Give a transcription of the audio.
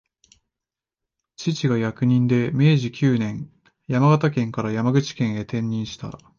父が役人で、明治九年、山形県から山口県へ転任した